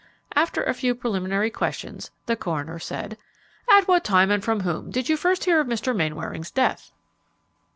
After a few preliminary questions, the coroner said, "At what time, and from whom, did you first hear of Mr. Mainwaring's death?"